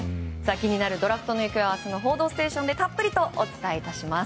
気になるドラフトの行方は明日の「報道ステーション」でたっぷりとお伝えいたします。